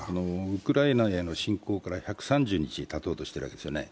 ウクライナへの侵攻から１３０日たとうとしているわけですよね。